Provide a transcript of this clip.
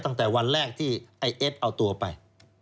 ตั้งแต่วันแรกที่ไอ้เอ็ดเอาตัวไป